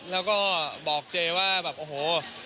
แล้วก็บอกเจว่าแบบโอ้โห